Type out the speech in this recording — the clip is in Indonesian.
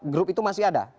grup itu masih ada